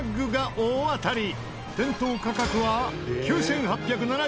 店頭価格は９８７８円！